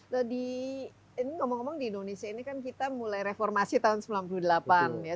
jadi ini ngomong ngomong di indonesia ini kan kita mulai reformasi tahun sembilan puluh delapan ya